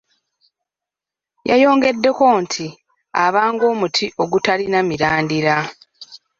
Yayongeddeko nti abanga omuti ogutalina mirandira.